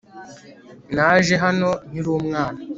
Naje hano nkiri umwana